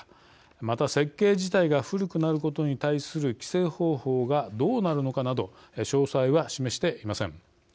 また設計自体が古くなることに対する規制方法がどうなるのかなど詳細は示していません。